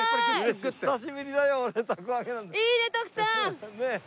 いいね徳さん！